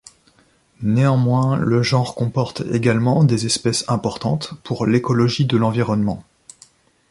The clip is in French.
Néanmoins le genre comporte également des espèces importantes pour l'écologie de l'environnement.